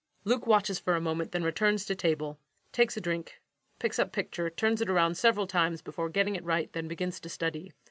[LUKE _watches for a moment, then returns to table takes a drink picks up picture turns it around several times before getting it right then begins to study.